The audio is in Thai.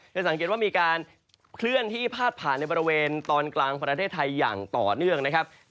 จะสังเกตว่ามีการเคลื่อนที่พาดผ่านในบริเวณตอนกลางประเทศไทยอย่างต่อเนื่องนะครับ